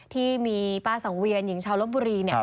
ที่มีป้าสังเวียนหญิงชาวลบบุรี